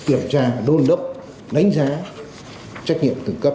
kiểm tra đôn đốc đánh giá trách nhiệm từ cấp